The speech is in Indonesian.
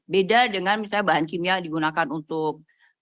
beda dengan misalnya bahan kimia digunakan untuk